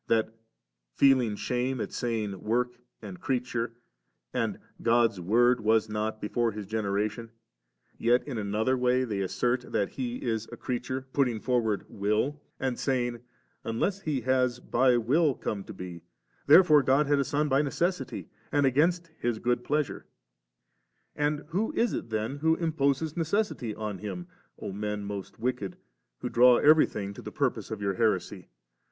that feeling shame at saying 'work,' and * creature,' and * God's Word was not before His genera tion,' yet in another way they assert that He is a creature, putting forward * will,' and saying, * Unless He has by will come to be, therefore God had a Son by necessity and against His good pleasure.' And who is it then who imposes necessity on Him, O men most wicked, who dnlw everything to the purpose of your heresy?